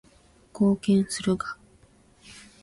貢献するが